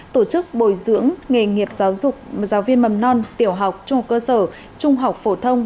tổ chức bồi dưỡng nghề nghiệp giáo dục giáo viên mầm non tiểu học trung học cơ sở trung học phổ thông